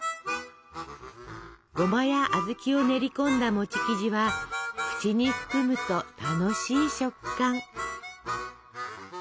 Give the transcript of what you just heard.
ごまや小豆を練り込んだ生地は口に含むと楽しい食感！